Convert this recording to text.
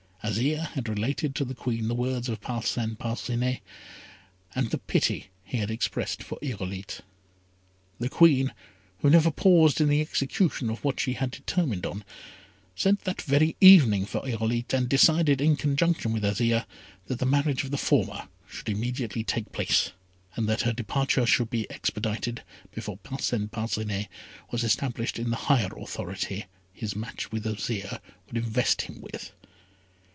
Azire had related to the Queen the words of Parcin Parcinet, and the pity he had expressed for Irolite. The Queen, who never paused in the execution of what she had determined on, sent that very evening for Irolite, and decided, in conjunction with Azire, that the marriage of the former should immediately take place, and that her departure should be expedited before Parcin Parcinet was established in the higher authority his match with Azire would invest him with.